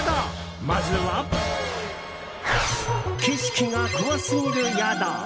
まずは、景色が怖すぎる宿。